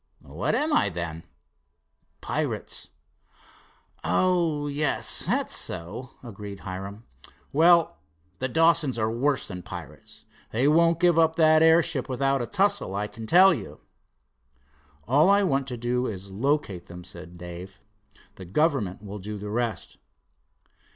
"What am I then?" "Pirates." "Oh, yes, that's so," agreed Hiram. "Well, the Dawsons are worse than pirates. They won't give up that airship without a tussle, I can tell you." "All I want to do is to locate them," said Dave. "The government will do the rest."